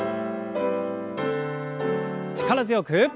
力強く。